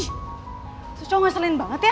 itu cowok ngaselin banget ya